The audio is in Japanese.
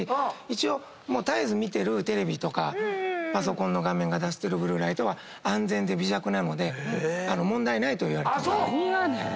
一応絶えず見てるテレビとかパソコンの画面が出してるブルーライトは安全で微弱なので問題ないといわれてます。